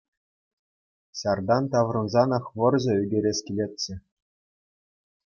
Ҫартан таврӑнсанах вӑрҫӑ ӳкерес килетчӗ.